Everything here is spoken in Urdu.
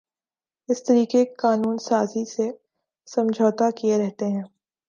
اس طریقِ قانون سازی سے سمجھوتاکیے رہتے ہیں